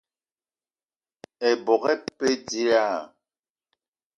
Ebok e pe dilaah?